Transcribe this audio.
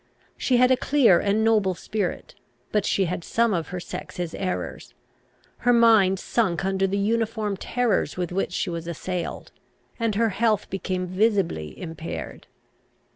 She had a clear and noble spirit; but she had some of her sex's errors. Her mind sunk under the uniform terrors with which she was assailed, and her health became visibly impaired.